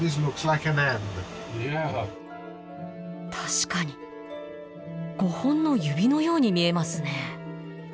確かに５本の指のように見えますね。